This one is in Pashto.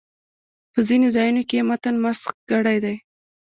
په ځینو ځایونو کې یې متن مسخ کړی دی.